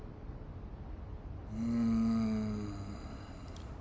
うん。